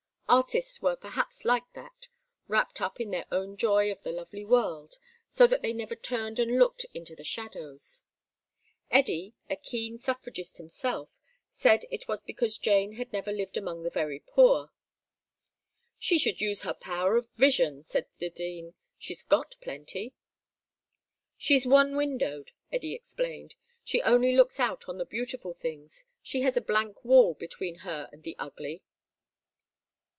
Artists were perhaps like that wrapped up in their own joy of the lovely world, so that they never turned and looked into the shadows. Eddy, a keen suffragist himself, said it was because Jane had never lived among the very poor. "She should use her power of vision," said the Dean. "She's got plenty." "She's one windowed," Eddy explained. "She only looks out on to the beautiful things; she has a blank wall between her and the ugly."